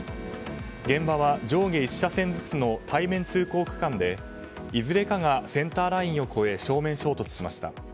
現場は、上下１車線ずつの対面通行区間でいずれかがセンターラインを越え正面衝突しました。